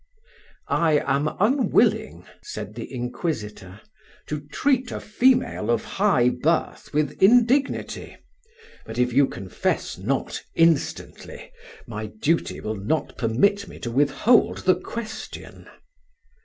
"I am unwilling," said the inquisitor, "to treat a female of high birth with indignity; but if you confess not instantly, my duty will not permit me to withhold the question."